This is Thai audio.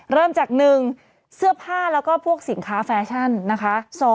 เริ่มจาก๑เสื้อผ้าแล้วก็พวกสินค้าแฟชั่นนะคะ